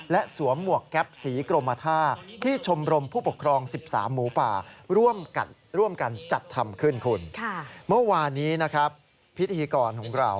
และสวมหมวกแก๊บสีกรมทา